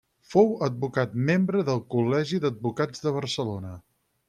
Fou advocat membre del Col·legi d'Advocats de Barcelona.